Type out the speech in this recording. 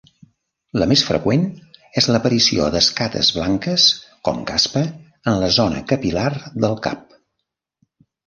La més freqüent és l'aparició d'escates blanques, com caspa, en la zona capil·lar del cap.